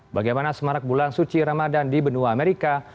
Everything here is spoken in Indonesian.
bagaimana semarak bulan suci ramadan di benua amerika